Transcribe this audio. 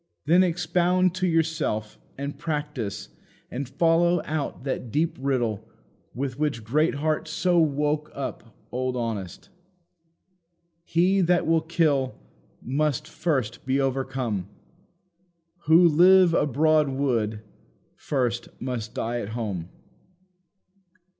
Then expound to yourself, and practise, and follow out that deep riddle with which Greatheart so woke up old Honest: "He that will kill, must first be overcome; Who live abroad would, first must die at home.